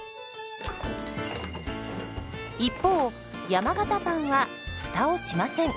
一方山型パンはフタをしません。